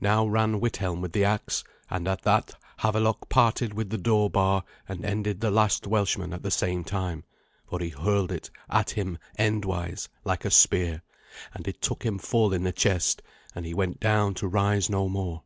Now ran Withelm with the axe, and at that Havelok parted with the door bar, and ended the last Welshman at the same time, for he hurled it at him endwise, like a spear, and it took him full in the chest, and he went down to rise no more.